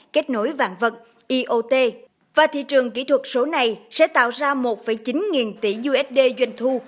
kết nối vạn vật iot và thị trường kỹ thuật số này sẽ tạo ra một chín nghìn tỷ usd doanh thu